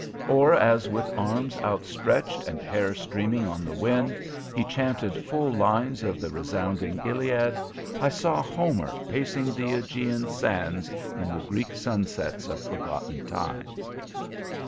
Or, as with arms outstretched and hair streaming on the wind, he chanted full lines of the resounding Iliad, I saw Homer pacing the AEgean sands in the Greek sunsets of forgotten times.